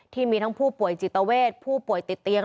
ที่มีทั้งผู้ป่วยจิตเวทผู้ป่วยติดเตียง